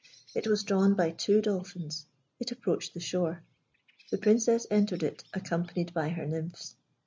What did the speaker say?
It was drawn by two dolphins. It approached the shore. The Princess entered it, accompanied by her nymphs.